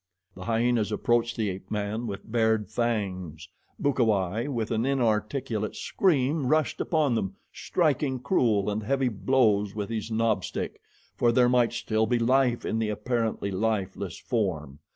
The hyenas approached the ape man with bared fangs. Bukawai, with an inarticulate scream, rushed upon them, striking cruel and heavy blows with his knob stick, for there might still be life in the apparently lifeless form.